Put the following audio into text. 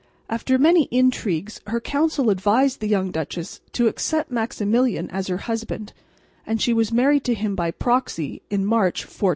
After many intrigues her council advised the young duchess to accept Maximilian as her husband, and she was married to him by proxy in March, 1490.